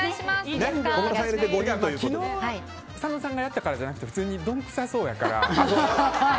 昨日、佐野さんがやったからじゃなくて普通にどんくさそうやから。